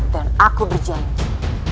dan aku berjanji